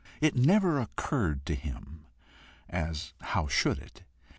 It never occurred to him as how should it?